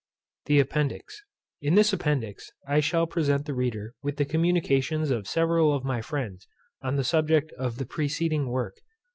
THE APPENDIX. In this Appendix I shall present the reader with the communications of several of my friends on the subject of the preceding work.